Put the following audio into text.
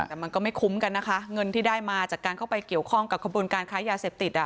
แต่มันก็ไม่คุ้มกันนะคะเงินที่ได้มาจากการเข้าไปเกี่ยวข้องกับขบวนการค้ายาเสพติดอ่ะ